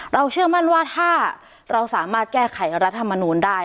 เชื่อมั่นว่าถ้าเราสามารถแก้ไขรัฐมนูลได้